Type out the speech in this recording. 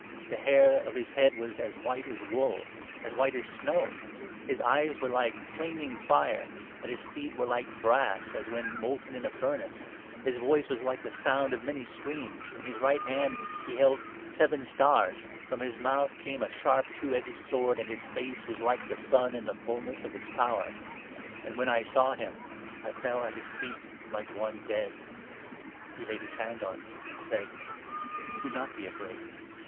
' The hair of his head was as white as wool, as white 14 as snow ; his eyes were like flaming fire ; and his feet 15 were like brass ' as when molten in a furnace ;' his voice was like the sound of many streams,' in his right hand he 16 held seven stars, from his mouth came a sharp two edged sword, and his face was like 'the sun in the fulness of its power.' And, when I saw him, I fell at his feet like one 17 dead. He laid his hand on me and said —' Do not be afraid.